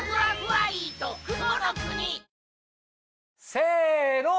せの！